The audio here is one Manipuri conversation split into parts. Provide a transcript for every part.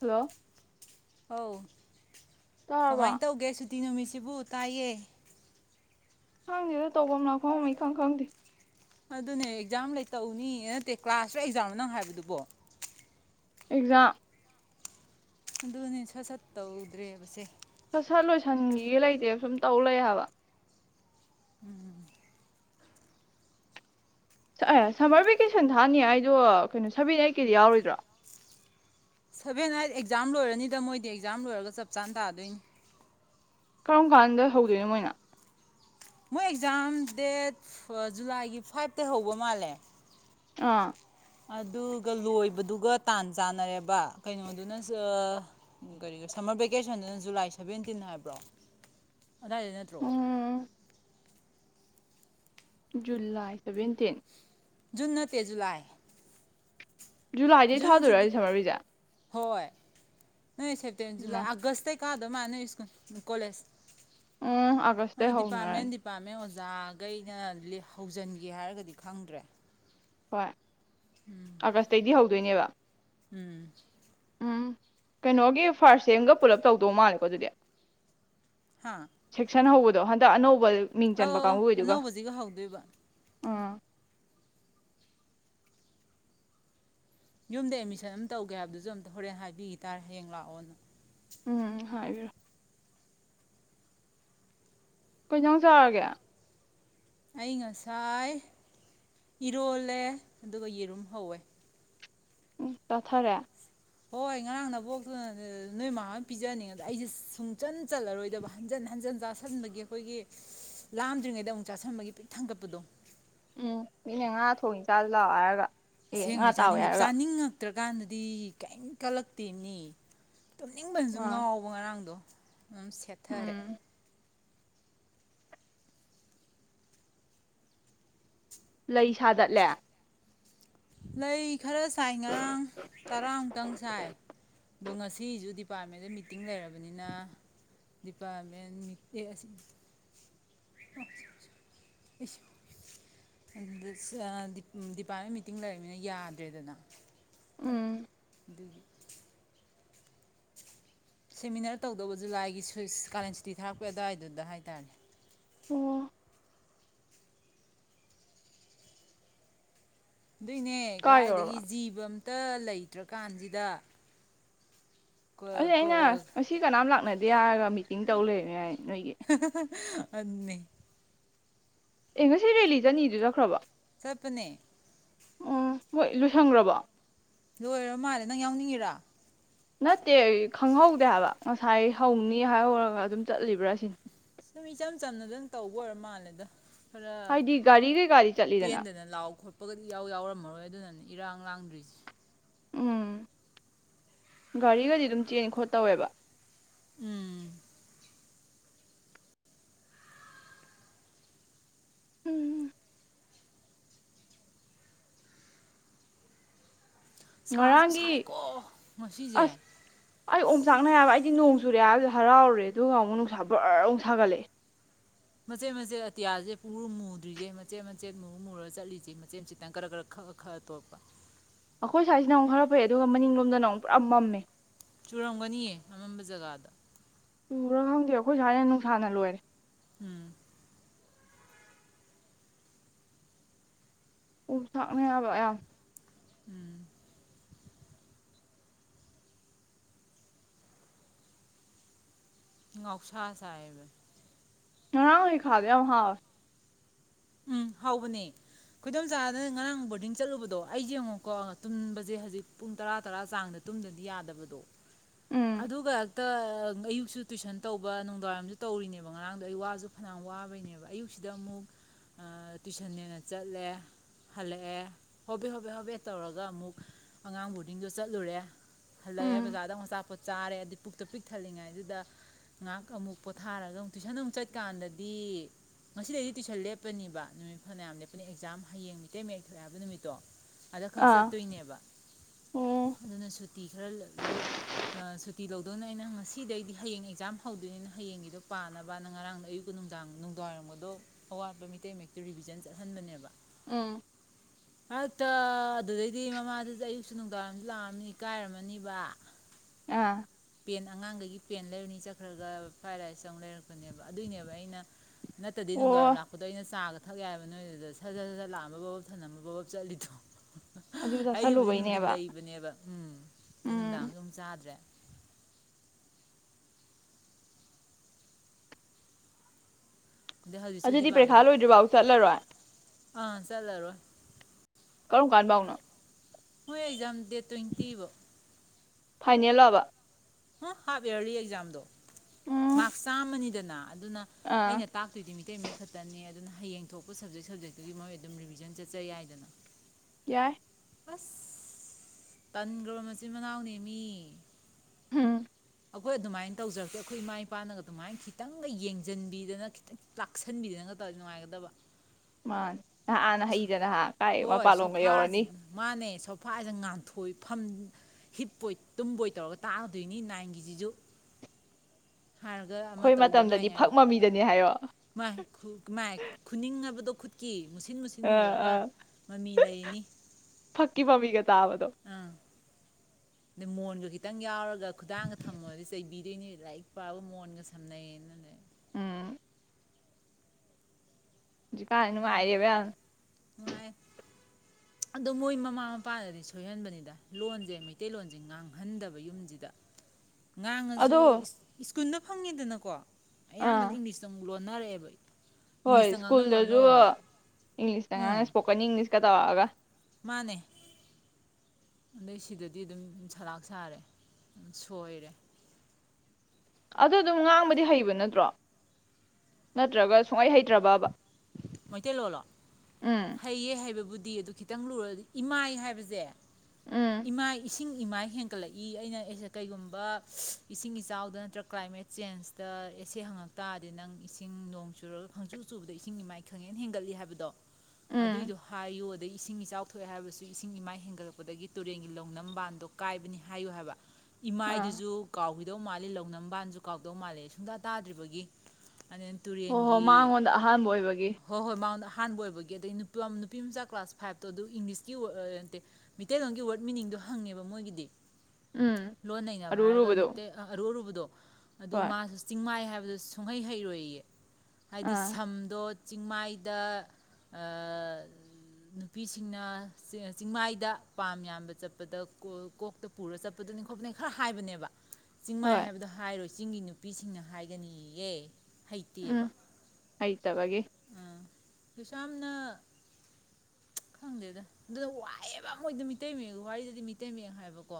ꯍꯜꯂꯣ ꯑꯧ ꯇꯥꯔꯕ ꯀꯃꯥꯏꯅ ꯇꯧꯒꯦꯁꯨꯝ ꯁꯨꯇꯤ ꯅꯨꯃꯤꯠꯁꯤꯕꯨ ꯇꯥꯏꯌꯦ ꯈꯪꯗꯦꯗ ꯇꯧꯐꯝ ꯂꯥꯛꯐꯝ ꯑꯃ ꯏꯈꯪ ꯈꯪꯗꯦ ꯑꯗꯨꯅꯦ ꯑꯦꯛꯖꯥꯝ ꯂꯩ ꯇꯧꯅꯤ ꯅꯠꯇꯦ ꯀ꯭ꯂꯥꯁꯂ ꯑꯦꯛꯖꯥꯝꯂ ꯅꯪ ꯍꯥꯏꯕꯗꯨꯕꯣ ꯑꯦꯛꯖꯥꯝ ꯑꯗꯨꯅꯦ ꯁꯠ ꯁꯠ ꯇꯧꯗ꯭ꯔꯦꯕꯁꯦ ꯁꯠ ꯁꯠ ꯂꯣꯏꯁꯟꯈꯤꯒꯦ ꯂꯩꯇꯦꯕ ꯁꯨꯝ ꯇꯧꯂꯩ ꯍꯥꯏꯕ ꯎꯝ ꯑꯦ ꯁꯝꯃꯔ ꯚꯦꯀꯦꯁꯟ ꯊꯥꯅꯤ ꯍꯥꯏꯗꯣ ꯀꯩꯅꯣ ꯁꯦꯕꯦꯟ ꯑꯦꯠꯀꯤꯗꯤ ꯌꯥꯎꯔꯣꯏꯗ꯭ꯔꯣ ꯁꯚꯦꯟ ꯑꯥꯏꯠ ꯑꯦꯛꯖꯥꯝ ꯂꯣꯏꯔꯅꯤꯗ ꯃꯣꯏꯗꯤ ꯑꯦꯛꯖꯥꯝ ꯂꯣꯏꯔꯒ ꯆꯞ ꯆꯥꯅ ꯇꯥꯗꯣꯏꯅꯤ ꯀꯔꯝ ꯀꯥꯟꯗ ꯍꯧꯗꯣꯏꯅꯣ ꯃꯣꯏꯅ ꯃꯣꯏ ꯑꯦꯛꯖꯥꯝ ꯗꯦꯠ ꯖꯨꯂꯥꯏꯒꯤ ꯐꯥꯏꯚꯇ ꯍꯧꯕ ꯃꯥꯜꯂꯦ ꯑꯥ ꯑꯗꯨꯒ ꯂꯣꯏꯕꯗꯨꯒ ꯇꯥꯟ ꯆꯥꯟꯅꯔꯦꯕ ꯀꯩꯅꯣꯗꯨꯅ ꯀꯔꯤ ꯁꯝꯃꯔ ꯚꯦꯀꯦꯁꯟꯗꯨꯅ ꯖꯨꯂꯥꯏ ꯁꯚꯦꯟꯇꯤꯟ ꯍꯥꯏꯕ꯭ꯔꯣ ꯑꯗꯥꯏꯗ ꯅꯠꯇ꯭ꯔꯣ ꯎꯝ ꯖꯨꯂꯥꯏ ꯁꯚꯦꯟꯇꯤꯟ ꯖꯨꯟ ꯅꯠꯇꯦ ꯖꯨꯂꯥꯏ ꯖꯨꯂꯥꯏꯗꯒꯤ ꯖꯨꯟꯁꯤꯗꯤ ꯊꯥꯗꯣꯏꯔꯣ ꯁꯃꯔꯚꯦꯀꯦꯁꯟ ꯍꯣꯏ ꯅꯣꯏ ꯁꯦꯞꯇꯦꯝꯕꯔ ꯎꯝ ꯖꯨꯂꯥꯏ ꯑꯒꯁ꯭ꯠꯇꯩ ꯀꯥꯗꯃꯥꯥꯟꯂꯦ ꯅꯣꯏ ꯁ꯭ꯀꯨꯜ ꯀꯣꯂꯦꯖ ꯎꯝ ꯑꯗꯣ ꯑꯒꯁ꯭ꯠꯇꯩ ꯗꯤꯄꯥꯔꯠꯃꯦꯟ ꯍꯧꯅꯔꯅꯤ ꯗꯤꯄꯥꯔꯠꯃꯦꯟ ꯑꯣꯖꯥꯈꯩꯅ ꯍꯧꯖꯤꯟꯒꯦ ꯍꯥꯏꯔꯒꯗꯤ ꯈꯪꯗ꯭ꯔꯦ ꯍꯣꯏ ꯑꯒꯁ꯭ꯠꯇꯩꯗꯤ ꯍꯧꯗꯣꯏꯅꯦꯕ [inaudible] ꯎꯝ ꯎꯝ ꯀꯩꯅꯣꯒꯤ ꯐꯥꯔꯁꯠ ꯁꯦꯝꯒ ꯄꯨꯜꯂꯞ ꯇꯧꯗꯧ ꯃꯥꯜꯂꯦꯀꯣ ꯑꯗꯨꯗꯤ ꯁꯦꯛꯁꯟ ꯍꯧꯕꯗ ꯍꯟꯗꯛ ꯑꯅꯧꯕ ꯃꯤꯡ ꯑ ꯑ ꯆꯟꯕ ꯑ ꯀꯥꯡꯕꯨ ꯑꯣꯏꯗꯨꯒ ꯑꯅꯧꯕꯖꯤꯒ ꯍꯧꯗꯣꯏꯕ ꯎꯝ ꯌꯨꯝꯗ ꯑꯦꯠꯃꯤꯁꯟ ꯑꯃ ꯇꯧꯒꯦ ꯍꯥꯏꯕꯗꯨꯁꯨ ꯑꯝꯇ ꯍꯣꯔꯦꯟ ꯍꯥꯏꯕꯤꯈꯤ ꯇꯥꯔꯦ ꯍꯌꯦꯡ ꯂꯥꯛꯑꯣꯅ ꯎꯝ ꯍꯥꯏꯕꯤꯔꯣꯑꯣ ꯀꯩꯖꯡ ꯆꯥꯔꯒꯦ ꯑꯩ ꯉꯁꯥꯏ ꯏꯔꯣꯜꯂꯦ ꯑꯗꯨꯒ ꯌꯦꯔꯨꯝ ꯍꯧꯋꯦ ꯎ ꯆꯥꯊꯔꯦ ꯍꯣꯏ ꯉꯔꯥꯡ ꯅꯕꯣꯛ ꯅꯣꯏ ꯃꯍꯥ ꯄꯤꯖꯅꯤꯡꯉꯗ ꯑꯩꯁꯦ ꯁꯨꯡꯆꯟ ꯆꯠꯂꯔꯣꯏꯗꯕ ꯍꯟꯖꯟ ꯍꯟꯖꯟ ꯆꯥꯁꯟꯕꯒꯤ ꯑꯩꯈꯣꯏꯒꯤ ꯂꯥꯝꯗ꯭ꯔꯤꯉꯩꯗ ꯑꯃꯨꯛ ꯆꯥꯁꯟꯕꯒꯤ ꯄꯤꯛ ꯊꯥꯡꯒꯠꯄꯗꯣ ꯎꯝ ꯃꯤꯅꯦ ꯉꯥ ꯊꯣꯡꯏ ꯆꯥꯖꯤ ꯂꯥꯛꯑꯣ ꯍꯥꯏꯔꯒ ꯑꯦ ꯉꯥ ꯑꯁꯦꯡꯕꯩ ꯇꯥꯎꯋꯦ ꯆꯥꯅꯤꯡꯗꯕ ꯍꯥꯏꯔꯒ ꯆꯥꯅꯤꯡꯉ ꯉꯛꯇ꯭ꯔꯀꯥꯟꯗꯗꯤ ꯀꯔꯤꯝ ꯀꯠꯂꯛꯇꯦꯅꯤ ꯇꯨꯝꯅꯤꯡꯕꯅꯁꯨ ꯑ ꯉꯥꯎꯕ ꯉꯔꯥꯡꯗꯣ ꯑꯗꯨꯝ ꯁꯦꯠꯊꯔꯦ ꯎꯝ ꯂꯩ ꯁꯥꯗꯠꯂꯦ ꯂꯩ ꯈꯔ ꯁꯥꯏ ꯉꯔꯥꯡ ꯇꯔꯥꯃꯨꯛꯇꯪ ꯁꯥꯏ ꯑꯗꯣ ꯉꯁꯤꯁꯨ ꯗꯤꯄꯥꯔꯠꯃꯦꯟꯗ ꯃꯤꯇꯤꯡ ꯂꯩꯔꯕꯅꯤꯅ ꯗꯤꯄꯥꯔꯠꯃꯦꯟ [inaudible] ꯗꯤꯄꯥꯔꯠꯃꯤ ꯇꯤꯡ ꯂꯩꯔꯃꯤꯅ ꯌꯥꯗ꯭ꯔꯦꯗꯅ ꯎꯝ ꯑꯗꯨꯒꯤ ꯁꯦꯃꯤꯅꯥꯔ ꯇꯧꯗꯧꯕ ꯖꯨꯂꯥꯏꯒꯤ ꯁ꯭ꯋꯁ ꯀꯥꯂꯦꯟꯁꯇꯤ ꯊꯥꯔꯛꯄꯩ ꯑꯗꯨꯋꯥꯏꯗꯨꯗ ꯍꯥꯏꯇꯥꯔꯦ ꯑꯣ ꯑꯗꯨꯏꯅꯦ ꯀꯥꯏ ꯌꯧꯔꯕ ꯀꯥꯏꯗꯒꯤ ꯖꯤꯕ ꯇ ꯂꯩꯇ꯭ꯔꯀꯥꯟꯁꯤꯗ ꯑꯗꯨꯗꯤ ꯑꯩꯅ ꯉꯁꯤ ꯀꯅꯥꯝ ꯂꯥꯛꯅ ꯗꯦ ꯌꯥꯔꯒ ꯃꯤꯇꯤꯡ ꯇꯧ ꯂꯩꯔꯅꯦ ꯌꯥꯏ ꯅꯣꯏꯒꯤ [inaudible] ꯎꯅꯦ [unintelligible] ꯑꯦ ꯉꯁꯤ ꯔꯦꯜꯂꯤ ꯆꯠꯅꯤꯗꯨ ꯆꯠꯈ꯭ꯔꯕ ꯆꯠꯄꯅꯦ ꯃꫭꯏ ꯂꯣꯏꯁꯟꯈ꯭ꯔꯕꯣ ꯂꯣꯏꯔꯕ ꯃꯥꯜꯂꯦ ꯅꯪ ꯌꯥꯎꯅꯤꯡꯉꯤꯔꫭ ꯅꯠꯇꯦ ꯑꯩ ꯈꯪꯍꯧꯗꯦ ꯍꯥꯏꯕ ꯉꯁꯥꯏ ꯍꯧꯅꯤ ꯍꯥꯏꯍꯧꯔꯒ ꯑꯗꯨꯝ ꯆꯠꯂꯤꯕ꯭ꯔꯥ ꯁꯤꯅꯤ ꯁꯨꯝ ꯏꯆꯝ ꯆꯝꯅ ꯑꯗꯨꯪ ꯇꯧꯕ ꯑꯣꯏꯔ ꯃꯥꯜꯂꯦꯗ ꯈꯔ ꯍꯥꯏꯗꯤ ꯒꯥꯔꯤ ꯀꯩꯀꯥꯗꯤ ꯆꯠꯂꯤꯗꯅ ꯄꯦꯟꯗꯅ [unintelligible] ꯏꯌꯥꯎ ꯌꯥꯎꯔꯝꯃꯔꯣꯏ ꯑꯗꯨꯅꯅꯦ ꯏꯔꯥꯡ ꯂꯥꯡꯗ꯭ꯔꯤꯁꯦ ꯎꯝ ꯒꯥꯔꯤꯒꯗꯤ ꯑꯗꯨꯝ ꯆꯦꯟꯅ ꯈꯣꯠ ꯇꯧꯋꯦꯕ ꯎꯝ ꯎꯝ ꯁꯥꯁꯨ ꯉꯔꯥꯡꯒꯤ ꯁꯥꯏꯀꯣ ꯑꯁ ꯉꯁꯤꯁꯦ ꯑꯩ ꯑꯣꯛ ꯆꯥꯛꯅꯩ ꯍꯥꯏꯕ ꯑꯩꯗꯤ ꯅꯣꯡ ꯆꯨꯔꯦ ꯍꯥꯏꯕꯗ ꯍꯔꯥꯎꯔꯦ ꯑꯗꯨꯒꯒ ꯑꯃꯨꯛ ꯅꯨꯡꯁꯥ ꯕꯔꯥ ꯑꯃꯨꯛ ꯁꯥꯒꯠꯂꯛꯑꯦ ꯃꯆꯦꯠ ꯃꯆꯦꯠ ꯑꯇꯤꯌꯥꯁꯦ ꯄꯨꯔꯨ ꯃꯨꯗ꯭ꯔꯤꯁꯦ ꯃꯆꯦꯠ ꯃꯆꯦꯠ ꯃꯨꯨꯔ ꯃꯨꯔꯒ ꯆꯠꯂꯤꯁꯦ ꯃꯆꯦꯠ ꯃꯆꯦꯠꯇꯪ ꯀꯔ ꯈꯔ ꯈꯔ ꯈꯛꯑ ꯈꯛꯑ ꯇꯣꯛꯄ ꯑꯩꯈꯣꯏ ꯁꯥꯏꯖꯅ ꯑꯃꯨꯛ ꯈꯔ ꯐꯩꯌꯦ ꯑꯗꯨꯒ ꯃꯅꯤꯡꯂꯣꯝꯗꯅ ꯑꯃꯨꯛ ꯄꯨꯔꯥ ꯃꯝꯃꯦ ꯆꯨꯔꯝꯒꯅꯤꯌꯦ ꯑꯃꯝꯕ ꯖꯒꯥꯗ ꯆꯨꯔꯥ ꯈꯪꯗꯦ ꯑꯩꯈꯣꯏ ꯁꯨꯃꯥꯏꯅ ꯅꯨꯡꯁꯥꯅ ꯂꯣꯏꯔꯦ ꯎꯝ ꯑꯣꯝ ꯆꯥꯥꯛꯅꯩ ꯍꯥꯏꯕ ꯌꯥꯝ ꯎꯝ ꯉꯣꯛꯁꯥ ꯁꯥꯦꯕ ꯉꯔꯥꯡ ꯍꯩꯈꯥꯗꯦ ꯌꯥꯝ ꯍꯥꯥꯎ ꯋꯦ ꯎꯝ ꯍꯥꯎꯕꯅꯦ ꯈꯨꯗꯝꯆꯥꯥꯔꯗꯅ ꯉꯔꯥꯡ ꯕꯣꯔꯗꯤꯡ ꯆꯠꯂꯨꯕꯗꯣ ꯑꯩꯁꯦ ꯑꯃꯉꯨꯛꯀꯣ ꯇꯨꯝꯕꯁꯦ ꯍꯧꯖꯤꯛ ꯄꯨꯡ ꯇꯔꯥ ꯇꯔꯥ ꯆꯥꯡꯗ ꯇꯨꯝꯗꯗꯤ ꯌꯥꯗꯕꯗꯣ ꯎꯝ ꯑꯗꯨꯒ ꯑ ꯑꯌꯨꯛꯁꯨ ꯇꯨꯏꯁꯟ ꯇꯧꯕ ꯅꯨꯡꯗꯥꯡꯏꯝꯁꯨ ꯇꯧꯔꯤꯅꯦꯕ ꯉꯔꯥꯡꯗꯣ ꯑꯩ ꯋꯥꯁꯨ ꯐꯅꯌꯥꯝ ꯋꯥꯕꯩꯅꯦꯕ ꯑꯌꯨꯛꯁꯤꯗ ꯑꯃꯨꯛ ꯇꯨꯏꯁꯟꯁꯦ ꯆꯠꯂꯦ ꯍꯜꯂꯛꯑꯦ ꯍꯣꯕꯦ ꯍꯣꯕꯦ ꯍꯣꯕꯦ ꯇꯧꯔꯒ ꯑꯃꯨꯛ ꯑꯉꯥꯡ ꯕꯣꯔꯗꯤꯡꯗꯣ ꯆꯠꯂꯨꯔꯦ ꯍꯜꯂꯛ ꯑꯦ ꯎꯝ ꯕꯥꯖꯔꯗ [unintelligible] ꯆꯥꯔꯦ ꯑꯗꯩ ꯄꯤꯛ ꯊꯂꯤꯉꯥꯏꯗꯨꯗ ꯉꯥꯏꯍꯥꯛ ꯑꯃꯨꯛ ꯄꯣꯊꯥꯔꯒ ꯑꯃꯨꯛ ꯇꯨꯏꯁꯟ ꯑꯃꯨꯛ ꯆꯠꯀꯥꯟꯗꯗꯤ ꯉꯁꯤꯗꯒꯤꯩꯗꯤ ꯇꯨꯏꯁꯟ ꯂꯦꯞꯄ ꯂꯦꯠꯄꯅꯤꯕ ꯅꯨꯃꯤꯠ ꯐꯅꯌꯥꯝ ꯂꯦꯞꯄꯅꯤ ꯑꯦꯛꯖꯥꯝ ꯍꯌꯦꯡ ꯃꯤꯇꯩ ꯃꯌꯦꯛ ꯊꯣꯛꯑꯦ ꯍꯥꯏꯕ ꯅꯨꯃꯤꯠꯇꯣ ꯑꯗ ꯈꯛ ꯑꯥ ꯆꯠꯇꯣꯏꯅꯦꯕ ꯑꯣ ꯑꯗꯨꯅ ꯁꯨꯇꯤ ꯈꯔ ꯂꯧ ꯁꯨꯇꯤ ꯂꯧ ꯑꯗꯨꯅ ꯑꯩꯅ ꯉꯁꯤꯗꯩꯗꯤ ꯍꯌꯦꯡ ꯑꯦꯛꯖꯥꯝ ꯍꯧꯗꯣꯏꯅꯤꯅ ꯍꯌꯦꯡꯒꯤꯗꯣ ꯄꯥꯅꯕꯅ ꯉꯔꯥꯡꯗ ꯑꯌꯨꯛꯛꯇ ꯅꯨꯡꯗꯥꯡ ꯅꯨꯡꯗꯥꯡꯏꯔꯝꯝꯕꯗꯣ ꯑꯋꯥꯠꯄ ꯃꯤ ꯃꯇꯩ ꯃꯛꯇ ꯔꯤꯤꯖꯟ ꯆꯠꯍꯟꯕꯅꯦꯕ ꯎꯝ ꯍꯟꯗꯛꯇ ꯑꯗꯨꯗꯩꯗꯤ ꯃꯃꯥꯗꯨꯗꯤ ꯑꯌꯨꯛꯁꯨ ꯅꯨꯡꯗꯥꯡꯝꯗ ꯂꯥꯛꯑꯝꯅꯤ ꯀꯥꯏꯔꯝꯃꯅꯤꯕ ꯑꯥ ꯄꯦꯟ ꯑꯉꯥꯡꯗꯒꯤ ꯄꯦꯟ ꯂꯩꯔꯨꯅꯤ ꯆꯠꯈ꯭ꯔꯒ ꯐ꯭ꯔꯥꯏ ꯔꯥꯏꯁ ꯑꯃ ꯂꯩꯔꯛꯄꯅꯦꯕ ꯑꯗꯨꯏꯅꯦꯕ ꯑꯩꯅ ꯅꯠꯇꯔꯥꯗꯤ ꯅꯨꯡꯗꯥꯏꯝ ꯑꯣ ꯂꯥꯛꯄꯗꯣ ꯑꯩꯅ ꯆꯥꯒꯗ ꯊꯛꯍꯥꯏꯕ ꯅꯣꯏꯗꯨꯗ ꯁꯠ ꯁꯠ ꯂꯥꯛꯑꯝꯕ ꯕꯞ ꯊꯝꯂꯝꯝꯕ ꯕꯞ ꯆꯠꯂꯤꯗꯣ ꯑꯗꯨ ꯑꯩꯁꯤꯕꯨꯗꯤ ꯅꯨꯡꯇꯤ ꯆꯥꯁꯜꯂꯨꯕꯩꯅꯦꯕ ꯂꯩꯕꯅꯦꯕ ꯎꯝ ꯑꯗꯩ ꯎꯝ ꯅꯨꯡꯗꯥꯡꯁꯨ ꯑꯗꯨꯝ ꯆꯥꯗ꯭ꯔꯦ ꯑ ꯍꯧꯖꯤꯁꯨꯨꯗꯤ ꯑꯗꯨꯗꯤ ꯄꯥꯝ ꯄꯔꯤꯈꯥ ꯂꯣꯏꯗ꯭ꯔꯤꯐꯥꯎ ꯆꯠꯂꯔꯣꯏ ꯑ ꯆꯠꯂꯔꯣꯏ ꯀꯔꯝ ꯀꯥꯟꯐꯥꯎꯅꯣ ꯃꯣꯏ ꯑꯦꯛꯖꯥꯝ ꯗꯦꯠ ꯇ꯭ꯋꯦꯟꯇꯤꯕꯣ ꯐꯥꯏꯅꯦꯜ ꯋꯥꯕ ꯍꯥꯞ ꯑꯦꯔꯂꯤ ꯑꯦꯛꯖꯥꯝꯗꯣ ꯎꯝ ꯃꯥꯛꯁ ꯆꯥꯝꯃꯅꯤꯗꯅ ꯑꯗꯨꯅ ꯑꯥ ꯑꯩꯅ ꯇꯥꯛꯇꯣꯏꯗꯤ ꯃꯤ ꯇꯦꯝꯃꯦ ꯈꯛꯇꯅꯤ ꯑꯗꯨꯅ ꯍꯌꯦꯡ ꯊꯣꯛꯄ ꯁꯕꯖꯦꯛ ꯁꯕꯖꯦꯛꯇꯨꯒꯤ ꯃꯣꯏ ꯑꯗꯨꯝ ꯔꯤꯚꯤꯖꯟ ꯆꯠꯆ ꯌꯥꯏꯗꯅ ꯀꯌꯥ ꯁ ꯇꯟꯈ꯭ꯔꯕ ꯃꯆꯤꯟ ꯃꯅꯥꯎꯅꯦ ꯃꯤ ꯎ ꯑꯩꯈꯣꯏ ꯑꯗꯨꯃꯥꯏꯅ ꯇꯧꯖꯔꯛꯇꯦ ꯑꯩꯈꯣꯏ ꯏꯃꯥ ꯏꯄꯥꯅꯒ ꯑꯗꯨꯃꯥꯏꯅ ꯈꯤꯇꯪꯒ ꯌꯦꯡꯁꯤꯟꯕꯤꯗꯅ ꯈꯤꯇꯪ ꯇꯥꯛꯁꯟꯕꯤꯗꯅꯒ ꯇꯧꯔ ꯅꯨꯡꯉꯥꯏꯒꯗꯕ ꯃꯥ ꯅꯍꯥꯟꯅ ꯍꯩꯗ ꯅꯍꯥꯟ ꯀꯥꯏ ꯃ ꯄꯥꯂꯣꯝꯒ ꯌꯧꯔꯅꯤ ꯭ꯋꯥꯏꯗꯅ ꯉꯥꯟꯊꯣꯛꯏ ꯐꯝ ꯍꯤꯞꯄꯣꯏ ꯇꯨꯝꯕꯣꯏ ꯇꯧꯔꯒ ꯇꯥꯛꯑꯗꯣꯏꯅꯤ ꯅꯥꯏꯟ ꯀꯦꯖꯤꯁꯨ ꯑꯩꯈꯣꯏ ꯃꯇꯝꯗꯗꯤ ꯐꯛ ꯃꯃꯤꯗꯅꯦ ꯍꯥꯏꯌꯣ ꯥꯏ ꯃꯥꯏ ꯈꯨꯅꯤꯡꯉꯕꯗꯣ ꯈꯨꯠꯀꯤ ꯃꯨꯁꯤꯟ ꯃꯨꯁꯤꯟ ꯑꯥ ꯑꯥ ꯃꯨꯔꯒ ꯃꯃꯤ ꯂꯩꯔꯤꯅꯤ ꯐꯛꯀꯤ ꯐꯃꯤꯒ ꯇꯥꯕꯗꯣ ꯑꯥ ꯑꯗꯩ ꯃꯣꯟꯒ ꯈꯤꯇꯪ ꯌꯥꯎꯔꯒ ꯈꯨꯗꯥꯡꯒ ꯊꯝꯃꯨꯔꯗꯤ ꯆꯩꯕꯤꯗꯣꯏꯅꯤ ꯂꯥꯏꯔꯤꯛ ꯄꯥꯕ ꯃꯣꯟꯒ ꯁꯝꯅꯩꯌꯦꯅꯅꯦ ꯎꯝ ꯍꯧꯖꯤꯛꯀꯥꯟ ꯅꯨꯡꯃꯥꯏꯔꯦꯕ ꯌꯥꯝꯅ ꯅꯨꯉꯥꯏ ꯑꯗꯣ ꯃꯣꯏ ꯃꯃꯥ ꯃꯄꯥꯗꯗꯤ ꯁꯣꯏꯍꯟꯕꯅꯤꯗ ꯂꯣꯟꯁꯦ ꯃꯩꯇꯩꯂꯣꯟꯁꯦ ꯉꯥꯡꯍꯟꯗꯕ ꯌꯨꯝꯁꯤꯗ ꯉꯥꯡꯉꯁꯨ ꯑꯗꯣ ꯇꯨꯟꯗ ꯐꯪꯉꯤꯗꯅꯀꯣ ꯑꯌꯥꯝꯕꯅ ꯑꯥ ꯏꯪꯂꯤꯁꯇ ꯑꯃꯨꯛ ꯂꯣꯏ ꯆꯔꯦꯕ ꯍꯣꯏ ꯁ꯭ꯀꯨꯜꯗꯁꯨ ꯏꯪꯂꯤꯁꯇ ꯉꯥꯡꯅ ꯎꯝ ꯏꯁꯄꯣꯀꯟ ꯏꯪꯂꯤꯁꯀ ꯇꯧꯔꯒ ꯃꯥꯅꯦ ꯑꯗꯩ ꯁꯤꯗꯗꯤ ꯑꯗꯨꯝ ꯁꯂꯥꯛ ꯁꯥꯔꯦ ꯁꯣꯏꯔꯦ ꯑꯗꯨ ꯑꯗꯨꯝ ꯉꯥꯡꯕꯗꯤ ꯍꯩꯕ ꯅꯠꯇ꯭ꯔꯣ ꯅꯠꯇ꯭ꯔꯒ ꯁꯨꯡꯍꯩ ꯍꯩꯇ꯭ꯔꯕꯕꯥ ꯃꯩꯇꯩ ꯂꯣꯜꯂꯣ ꯍꯩꯌꯦ ꯍꯩꯕꯕꯨꯗꯤ ꯗꯤ ꯑꯗꯨ ꯈꯤꯇꯪ ꯂꯨꯔꯗꯤ ꯏꯃꯥꯏ ꯍꯥꯏꯕꯁꯦ ꯎꯝ ꯏꯃꯥꯏ ꯏꯁꯤꯡ ꯏꯁꯤꯡ ꯏꯃꯥꯏ ꯍꯦꯟꯒꯠꯂꯛꯏ ꯑꯩꯅ ꯀꯩꯒꯨꯝꯕ ꯏꯁꯤꯡ ꯏꯆꯥꯎꯗ ꯅꯠꯇ꯭ꯔꯒ ꯀ꯭ꯂꯥꯏꯃꯦꯠ ꯆꯦꯟꯖꯇ ꯑꯦꯁꯦ ꯍꯪꯉꯛ ꯇꯥꯔꯗꯤ ꯅꯪ ꯏꯁꯤꯡ ꯅꯣꯡ ꯆꯨꯔꯒ ꯈꯪꯆꯨ ꯆꯨꯕꯗꯨ ꯏꯁꯤꯡ ꯏꯃꯥꯏ ꯈꯪꯍꯦꯟ ꯍꯦꯟꯒꯠꯂꯤ ꯍꯥꯏꯕꯗꯣ ꯎꯝ ꯑꯗꯨꯏꯗꯣ ꯍꯥꯏꯌꯨ ꯑꯗꯗꯒꯤ ꯏꯁꯤꯡ ꯏꯆꯥꯎ ꯊꯣꯛꯑꯦ ꯍꯥꯏꯔꯕꯁꯨ ꯏꯁꯤꯡ ꯏꯃꯥꯏ ꯍꯦꯟꯒꯠꯂꯛꯄꯗꯒꯤ ꯇꯨꯔꯦꯟꯒꯤ ꯂꯧꯅꯝꯕꯥꯟꯗꯣ ꯀꯥꯏꯕꯅꯤ ꯍꯥꯏꯌꯨ ꯍꯥꯏꯕ ꯑꯥ ꯏꯃꯥꯏꯗꯨꯁꯨ ꯀꯥꯎꯏ ꯀꯧꯗꯧ ꯃꯥꯜꯂꯤ ꯂꯧꯅꯝꯕꯥꯟꯁꯨ ꯀꯥꯎꯗꯧ ꯃꯥꯂꯦ ꯁꯨꯡꯇꯥ ꯇꯥꯗ꯭ꯔꯤꯕꯒꯤ ꯑꯗꯨꯅ ꯍꯣ ꯍꯣ ꯇꯨꯔꯦꯟꯒꯤ ꯃꯉꯣꯟꯗ ꯑꯍꯥꯟꯕ ꯑꯣꯏꯕꯒꯤ ꯍꯣꯏ ꯍꯣꯏ ꯃꯥꯅ ꯑꯍꯥꯟꯕ ꯑꯣꯏꯕꯒꯤ ꯑꯗꯩ ꯅꯨꯄꯥ ꯅꯨꯄꯤ ꯃꯆꯥ ꯀ꯭ꯂꯥꯁ ꯐꯥꯏꯕꯇꯣ ꯑꯗꯨ ꯏꯪꯂꯤꯁꯀꯤꯔ ꯅꯠꯇꯦ ꯃ ꯃꯤꯇꯩꯇꯩꯂꯣꯟꯒꯤ ꯋꯔꯗ ꯃꯤꯅꯤꯡꯗꯣ ꯍꯪꯉꯦꯕ ꯃꯣꯏꯒꯤꯗꯤ ꯎꯝ ꯂꯣꯟ ꯅꯩꯅꯕ ꯑꯔꯨ ꯍꯥꯏꯔꯒ ꯑꯔꯨꯕꯗꯣ ꯃꯤꯇꯩ ꯑꯔꯨ ꯑꯔꯨꯕꯗꯣ ꯑꯗꯣ ꯑꯗꯨ ꯍꯣꯏ ꯃꯥꯁꯨ ꯆꯤꯡꯃꯥꯏ ꯍꯥꯏꯕ ꯑꯗꯨ ꯁꯨꯡꯍꯩ ꯍꯩꯔꯣꯏꯌꯦ ꯍꯥꯏꯗꯤ ꯑꯥ ꯁꯝꯗꯣ ꯆꯤꯡꯃꯥꯏꯗ ꯅꯨꯄꯤꯁꯤꯡꯅ ꯆꯤꯡꯃꯥꯏꯗ ꯄꯥꯝ ꯌꯥꯝꯕ ꯆꯠꯄꯗ ꯀꯣꯛꯇ ꯄꯨꯔꯒ ꯆꯠꯄꯗꯅꯦ ꯈꯣꯠꯄꯅꯦ ꯈꯔ ꯍꯥꯏꯕꯅꯦꯕ ꯆꯤꯡꯃꯥꯏ ꯍꯣꯏ ꯍꯥꯏꯕꯗꯣ ꯍꯥꯏꯔꯣꯏꯁꯤ ꯆꯤꯡꯒꯤ ꯅꯨꯄꯤꯁꯤꯡꯅ ꯍꯥꯏꯒꯅꯤꯌꯦ ꯎꯝ ꯍꯩꯇꯕꯒꯤ ꯎꯝ ꯀꯩꯁꯨ ꯌꯥꯝꯅ ꯈꯪꯗꯦꯗ ꯑꯗꯨꯗ ꯋꯥꯏꯑꯦꯕ ꯃꯣꯏꯗ ꯃꯤꯇꯩ ꯃꯌꯦꯛ ꯋꯥꯔꯤꯗꯗꯤ ꯃꯤꯇꯩ ꯃꯌꯦꯛ ꯍꯥꯏꯕꯀꯣ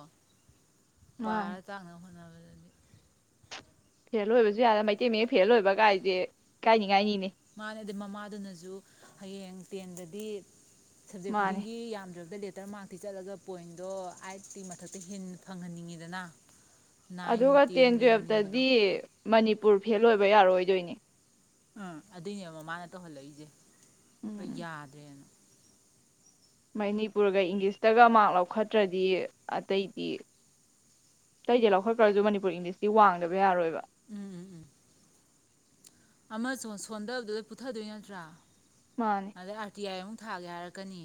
ꯃꯥꯅꯦ ꯄꯥꯔ ꯇꯥꯛꯅꯕ ꯍꯣꯠꯅꯕꯗ ꯐꯦꯜ ꯑꯣꯏꯕꯖꯨ ꯌꯥꯔ ꯃꯩꯇꯩ ꯃꯌꯦꯛ ꯐꯦꯜ ꯑꯣꯏꯕ ꯒꯥꯏꯖꯦ ꯏꯀꯥꯏꯅꯤ ꯉꯥꯏꯅꯤꯅꯦ ꯗꯩ ꯃꯃꯥꯗꯨꯅꯖꯨ ꯍꯌꯦꯡ ꯇꯦꯟꯗꯗꯤ ꯁꯕꯖꯦꯛ ꯃꯥꯅꯦ ꯈꯨꯗꯤꯡꯒꯤ ꯌꯥꯝꯗ꯭ꯔꯕꯗ ꯂꯦ ꯇꯔ ꯃꯥꯛꯇꯤ ꯆꯠꯂꯒ ꯄꯣꯏꯟꯗꯣ ꯑꯥꯏꯠ ꯀꯤ ꯃꯊꯛꯇ ꯍꯦꯟꯅ ꯐꯪꯍꯟꯅꯤꯡꯉꯤꯗꯅ ꯅꯥꯏꯟ ꯑꯗꯨꯒ ꯇꯦꯟ ꯇꯦꯟꯒ ꯌꯧꯅꯤꯡꯕꯗꯣ ꯇꯨꯌꯦꯞꯇꯗꯤ ꯃꯅꯤꯄꯨꯔ ꯐꯦꯜ ꯑꯣꯏꯕ ꯌꯥꯔꯣꯏꯗꯣꯏꯅꯦ ꯎꯝ ꯑꯗꯨꯏꯅꯦꯕ ꯃꯃꯥꯅ ꯇꯧꯍꯜꯂꯛꯏꯖꯦ ꯍꯣꯏ ꯎꯝ ꯌꯥꯗ꯭ꯔꯦꯅ ꯃꯅꯤꯄꯨꯔꯒ ꯏꯪꯂꯤꯁꯇꯒ ꯃꯥꯛ ꯂꯧꯈꯠꯇ꯭ꯔꯗꯤ ꯑꯇꯩꯗꯤ ꯑꯇꯩꯗꯤ ꯂꯧꯈꯠꯈ꯭ꯔꯁꯨ ꯃꯅꯤꯄꯨꯔ ꯏꯪꯂꯤꯁꯇꯤ ꯋꯥꯡꯗꯕ ꯌꯥꯔꯣꯏꯕ ꯎꯝ ꯎꯝ ꯎꯝ ꯑꯃꯥꯁꯣ ꯁꯣꯟꯗꯕꯗꯨꯗ ꯄꯨꯊꯗꯣꯏ ꯅꯠꯇ꯭ꯔꯥ ꯃꯥꯅꯤ ꯑꯗꯩ ꯑꯔ ꯇꯤ ꯑꯥꯏ ꯑꯃꯨꯛ ꯊꯥꯒꯦ ꯍꯥꯏꯔꯛꯀꯅꯤ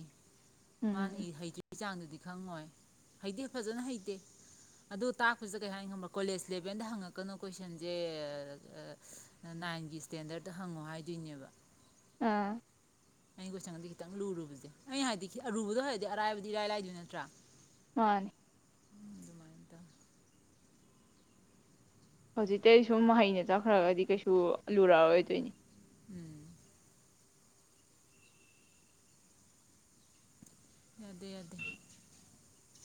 ꯃꯥꯅ ꯎꯝ ꯏ ꯍꯩꯇꯔ꯭ꯤ ꯒꯤ ꯆꯥꯡꯗꯨꯗꯤ ꯈꯪꯉꯣꯏ ꯍꯩꯗꯤ ꯐꯖꯅ ꯍꯩꯇꯦ ꯑꯗꯣ ꯇꯥꯛꯄꯖꯤꯗꯥ ꯀꯩ ꯍꯥꯏꯅꯤ ꯈꯪꯕ꯭ꯔꯥ ꯀꯣꯂꯦꯖ ꯂꯦꯚꯦꯟꯗ ꯍꯪꯉꯛꯀꯅꯨ ꯀꯣꯏꯁꯟꯖꯦ ꯅꯥꯏꯟꯒꯤ ꯏꯁꯇꯦꯟꯗꯔꯠꯇ ꯍꯪꯉꯣ ꯍꯥꯏꯗꯣꯏꯅꯦꯕ ꯑꯥ ꯑꯩꯅ ꯀꯣꯏꯁꯪꯒꯖꯦ ꯈꯤꯇꯪ ꯂꯨꯔꯨꯕꯖꯦ ꯑꯩ ꯍꯥꯏꯗꯤ ꯑꯔꯨꯕꯗꯣ ꯍꯩꯔꯗꯤ ꯑꯔꯥꯏꯕꯗꯣ ꯏꯔꯥꯏ ꯂꯥꯏꯗꯣꯏ ꯅꯠꯇ꯭ꯔꯥ ꯃꯥꯅꯦ ꯑꯗꯨꯃꯥꯏꯅ ꯇꯧꯋꯤ ꯍꯧꯖꯤꯛꯇꯩ ꯁꯨꯝ ꯍꯩꯅ ꯆꯠꯈ꯭ꯔꯒꯗꯤ ꯀꯩꯁꯨ ꯂꯨꯔꯛꯑꯣꯏꯗꯣꯏꯅꯤ ꯎꯝ ꯌꯥꯗꯦ ꯌꯥꯗꯦ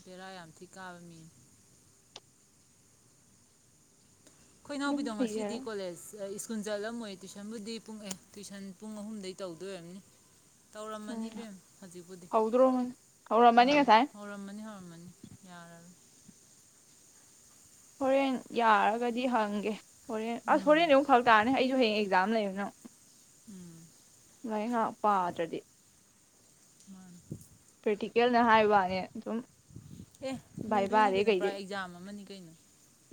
ꯕꯦꯔꯥ ꯌꯥꯝ ꯊꯤ ꯀꯥꯕ ꯃꯤ ꯑꯗꯨꯝ ꯈꯣꯏꯅꯥꯎꯕꯤꯗꯣ ꯉꯁꯤꯗꯤ ꯍꯩꯖꯔ ꯀꯣꯂꯦꯖ ꯁ꯭ꯀꯨꯟ ꯆꯠꯂꯝꯃꯣꯏ ꯇꯨꯏꯁꯟꯕꯨꯗꯤ ꯄꯨꯡ ꯑꯦ ꯇꯨꯏꯁꯟ ꯄꯨꯡ ꯑꯍꯨꯝꯗꯩ ꯇꯧꯗꯣꯏꯔꯝꯅꯤ ꯇꯧꯔꯝꯃꯅꯤ ꯎꯝ ꯏꯕꯦꯝ ꯍꯧꯖꯤꯛꯄꯨꯗꯤ ꯍꯧꯗ꯭ꯔꯣꯃꯅꯤ ꯍꯧꯔꯝꯃꯅꯤ ꯎꯝ ꯉꯁꯥꯏ ꯍꯧꯔꯝꯃꯅꯤ ꯍꯧꯔꯝꯃꯅꯤ ꯌꯥꯔꯔꯣꯏ ꯍꯣꯔꯦꯟ ꯌꯥꯔꯒꯗꯤ ꯍꯪꯒꯦ ꯍꯣꯔꯦꯟ ꯑꯁ ꯎꯝ ꯍꯣꯔꯦꯟꯗꯤ ꯑꯃꯨꯛ ꯐꯔꯛ ꯇꯥꯔꯅꯤ ꯑꯩꯖꯨ ꯍꯌꯦꯡ ꯑꯦꯛꯖꯥꯝ ꯂꯩ [unintelligible] ꯎꯝ ꯂꯥꯏꯔꯤꯛ ꯉꯥꯍꯥꯛ ꯄꯥꯗ꯭ꯔꯗꯤ ꯃꯥꯅꯤ ꯄꯔ꯭ꯦꯛꯇꯤꯀꯦꯜꯅ ꯍꯥꯏꯕꯅꯦ ꯑꯗꯨꯝ ꯑꯦ ꯂꯨꯗꯣꯏꯅꯤ ꯚꯥꯏꯕꯥꯗꯩ ꯀꯩꯅꯣ ꯄꯨꯔꯥ ꯑꯦꯛꯖꯥꯝ ꯑꯃꯅꯤ ꯀꯩꯅꯣ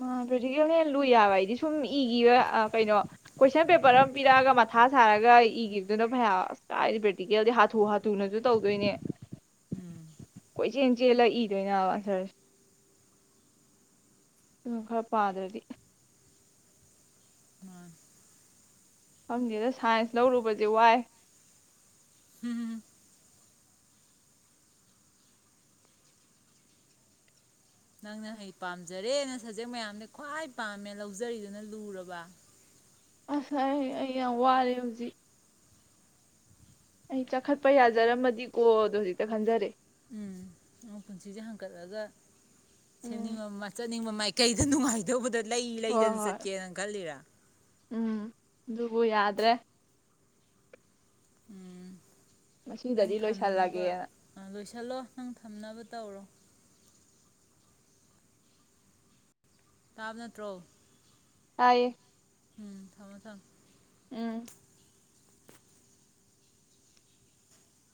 ꯃꯥ ꯄ꯭ꯔꯦꯛꯇꯤꯀꯦꯜꯅ ꯍꯦꯟꯅ ꯂꯨꯏ ꯍꯥꯏꯕ ꯑꯩꯗꯤ ꯁꯨꯝ ꯏꯒꯤꯕ ꯑꯥ ꯀꯩꯅꯣ ꯀꯣꯏꯁꯟ ꯄꯦꯄꯔ ꯑꯃ ꯄꯤꯔꯛꯑꯒ ꯃꯊꯥ ꯁꯥꯔꯒ ꯏꯒꯤꯕꯗꯨꯅ ꯐꯩ ꯑꯁ ꯀꯥꯏꯗꯤ ꯄ꯭ꯔꯦꯛꯇꯤꯀꯦꯜꯗꯤ ꯍꯥꯊꯨ ꯍꯥꯊꯨꯅꯖꯨ ꯇꯧꯗꯣꯏꯅꯦ ꯎꯝ ꯀꯣꯏꯆꯦꯟ ꯆꯦꯜꯂ ꯏꯗꯣꯏꯅꯦ ꯍꯥꯏꯕ ꯑꯟꯁꯔꯖꯦ ꯎ ꯈꯔ ꯄꯥꯗ꯭ꯔꯗꯤ ꯑꯝ ꯐꯝꯗꯦꯗ ꯁꯥꯏꯟꯁ ꯂꯧꯔꯨꯕꯁꯦ ꯋꯥꯏ ꯍꯝ ꯅꯪꯅ ꯍꯩ ꯄꯥꯝꯖꯔꯦꯅ ꯁꯕꯖꯦꯛ ꯃꯌꯥꯝꯗꯩ ꯈ꯭ꯋꯥꯏ ꯄꯥꯝꯃꯦ ꯂꯧꯖꯔꯤꯗꯨꯅ ꯂꯨꯔꯕ ꯑꯁ ꯑꯩ ꯑꯩ ꯌꯥꯝ ꯋꯥꯔꯦ ꯍꯧꯖꯤꯛ ꯑꯩ ꯆꯈꯠꯄ ꯌꯥꯖꯔꯝꯃꯗꯤꯀꯣ ꯑꯗꯣ ꯍꯧꯖꯤꯛꯇ ꯈꯟꯖꯔꯦ ꯎꯝ ꯄꯨꯟꯁꯤꯁꯦ ꯍꯥꯡꯀꯠꯂꯒ ꯎꯝ ꯁ‌ꯦꯝꯅꯤꯡꯕ ꯃꯆꯠ ꯅꯤꯡꯕ ꯃꯥꯏ ꯀꯩꯗ ꯅꯨꯡꯉꯥꯏꯇꯧꯕꯗ ꯂꯩ ꯍꯣꯏ ꯂꯩꯗꯅ ꯍꯣꯏ ꯆꯠꯀꯦꯅ ꯈꯜꯂꯤꯔꯥ ꯎꯝ ꯑꯗꯨꯕꯨ ꯌꯥꯗ꯭ꯔꯦ ꯎꯝ ꯃꯁꯤꯗꯗꯤ ꯂꯣꯏꯁꯤꯜꯂꯒꯦꯅ ꯂꯣ ꯅꯪ ꯊꯝꯅꯕ ꯇꯧꯔꯣ ꯇꯥꯕ ꯅꯠꯇ꯭ꯔꯣ ꯇꯥꯏꯑꯦ ꯎꯝ ꯊꯝꯃꯣ ꯊꯝꯃ‌ꯣ